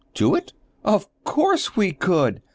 "Do it? Of course we could!